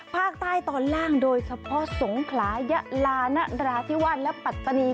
ภาคใต้ตอนล่างโดยเฉพาะสงขลายะลานราธิวาสและปัตตานี